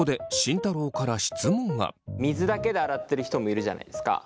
水だけで洗ってる人もいるじゃないですか。